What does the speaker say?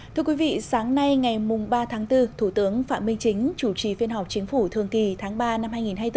thưa quý vị sáng nay ngày ba tháng bốn thủ tướng phạm minh chính chủ trì phiên họp chính phủ thường kỳ tháng ba năm hai nghìn hai mươi bốn